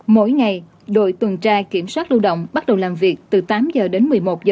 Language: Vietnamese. mỗi ngày đội tuần tra kiểm soát lưu động bắt đầu làm việc từ tám h đến một mươi một h